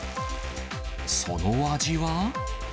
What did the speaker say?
その味は。